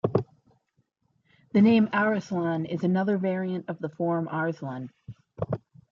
The name Arislan is another variant of the form Arslan.